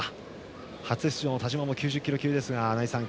初出場の田嶋も９０キロ級ですが、穴井さん